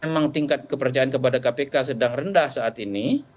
memang tingkat kepercayaan kepada kpk sedang rendah saat ini